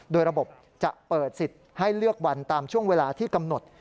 โดยระบบจะเปิดสิทธิ์ให้เลือกวันตามช่วงเวลาที่กำหนด